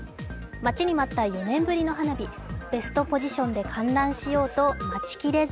待ちに待った４年ぶりの花火、ベストポジションで観覧しようと待ちきれず